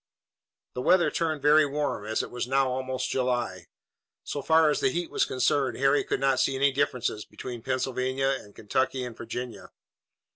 The weather turned very warm, as it was now almost July. So far as the heat was concerned Harry could not see any difference between Pennsylvania and Kentucky and Virginia.